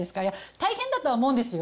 大変だとは思うんですよ。